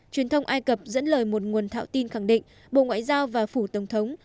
truyền thông ai cập dẫn lời một nguồn thạo tin khẳng định bộ ngoại giao và phủ tổng thống